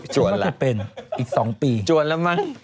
ฉันว่าเธอเป็นอีกสองปีจวนแล้วมั้ง